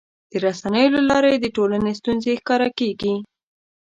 د رسنیو له لارې د ټولنې ستونزې ښکاره کېږي.